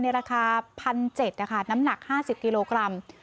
ราคา๑๗๐๐นะคะน้ำหนัก๕๐กิโลกรัม